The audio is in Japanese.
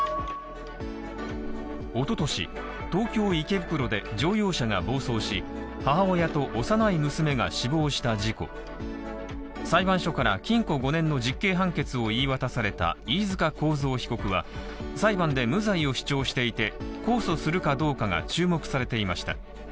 おととし東京池袋で乗用車が暴走し母親と幼い娘が死亡した事故裁判所から禁錮５年の実刑判決を言い渡された飯塚幸三被告は裁判で無罪を主張していて控訴するかどうかが注目されていました